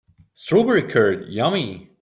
Strawberry curd, yummy!